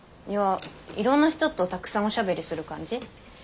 いやいろんな人とたくさんおしゃべりする感じ？